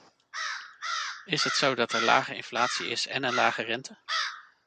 Is het zo dat er lage inflatie is en een lage rente?